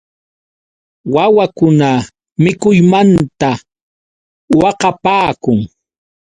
Wawakuna mikuymanta waqapaakun.